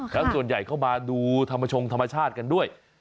แล้วส่วนใหญ่เข้ามาดูธรรมชงธรรมชาติกันด้วย